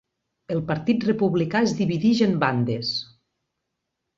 El partit republicà es divideix en bandes.